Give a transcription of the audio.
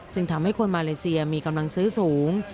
ทำให้คนมาเลเซียมีกำลังซื้อสูง